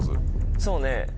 そうね。